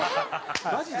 マジで？